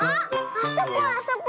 あそこあそこ。